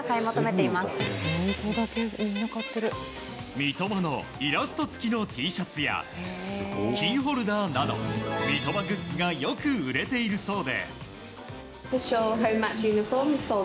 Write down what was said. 三笘のイラスト付きのＴシャツやキーホルダーなど、三笘グッズがよく売れているそうで。